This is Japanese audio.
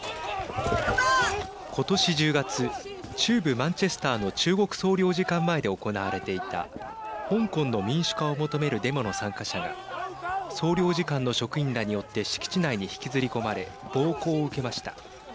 今年１０月中部マンチェスターの中国総領事館前で行われていた香港の民主化を求めるデモの参加者が総領事館の職員らによって敷地内に引きずり込まれ暴行を受けました。